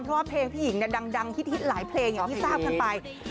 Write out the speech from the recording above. เพราะว่าเพลงพี่หญิงเนี่ยดังฮิตหลายเพลงอย่างที่ทราบกันไป